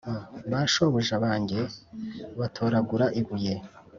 ba shobuja banjye batoragura ibuye